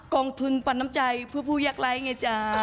การน้ำใจเพื่อผู้แยกไรไงจ้า